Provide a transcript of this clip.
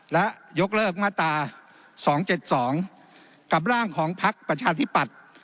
และยกเลิกมาตราสองเจ็ดสองกับร่างของพักประชาธิปัตย์